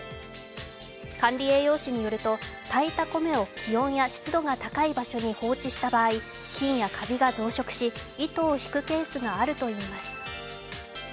管理栄養士によると、炊いた米を気温や湿度が高い場所に放置した場合、菌やかびが増殖し糸を引くケースがあるといいます。